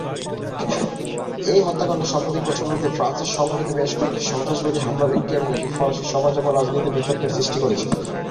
এই হত্যাকাণ্ড সাম্প্রতিক বছরগুলিতে ফ্রান্সে সংঘটিত বেশ কয়েকটি সন্ত্রাসবাদী হামলার একটি, এবং এটি ফরাসি সমাজ এবং রাজনীতিতে বিতর্কের সৃষ্টি করেছে।